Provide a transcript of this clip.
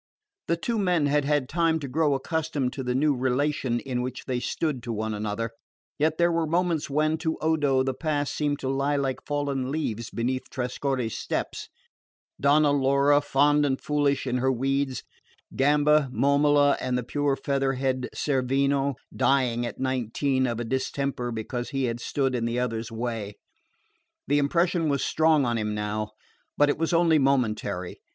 The two men had had time to grow accustomed to the new relation in which they stood to one another, yet there were moments when, to Odo, the past seemed to lie like fallen leaves beneath Trescorre's steps Donna Laura, fond and foolish in her weeds, Gamba, Momola, and the pure featherhead Cerveno, dying at nineteen of a distemper because he had stood in the other's way. The impression was strong on him now but it was only momentary.